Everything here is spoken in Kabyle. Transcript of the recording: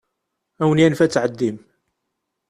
Ad awen-yanef ad tɛeddim.